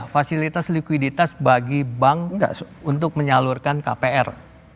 fasilitas likuiditas bagi bank untuk menyalurkan kpr